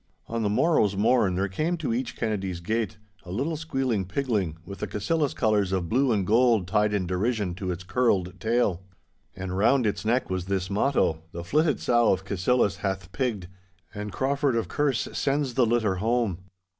On the morrow's morn there came to each Kennedy's gate a little squealing pigling with the Cassillis colours of blue and gold tied in derision to its curled tail. And round its neck was this motto, 'The flitted sow of Cassillis hath pigged, and Crauford of Kerse sends the litter home!